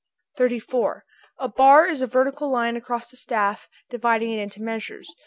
34. A bar is a vertical line across the staff, dividing it into measures.